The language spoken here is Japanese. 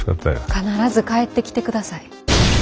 必ず帰ってきてください。